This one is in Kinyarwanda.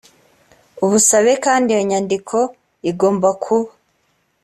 ubusabe kandi iyo nyandiko igomba kuba